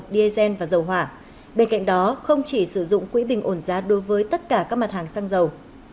diesel và dầu hỏa bên cạnh đó không chỉ sử dụng quỹ bình ổn giá đối với tất cả các mặt hàng xăng dầu